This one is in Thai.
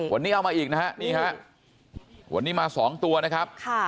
วันนี้เอามาอีกนะฮะนี่ฮะวันนี้มา๒ตัวนะครับ